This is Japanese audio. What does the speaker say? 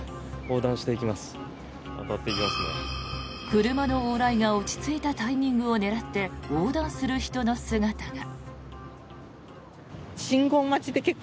車の往来が落ち着いたタイミングを狙って横断する人の姿が。